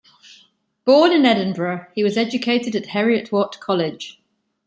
Born in Edinburgh, he was educated at Heriot-Watt College.